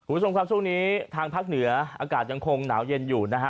คุณผู้ชมครับช่วงนี้ทางภาคเหนืออากาศยังคงหนาวเย็นอยู่นะฮะ